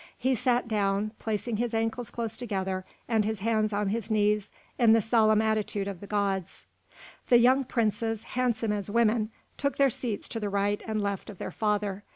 He sat down, placing his ankles close together and his hands on his knees in the solemn attitude of the gods. The young princes, handsome as women, took their seats to the right and left of their father.